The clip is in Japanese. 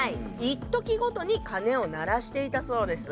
いっときごとに鐘を鳴らしていたそうです。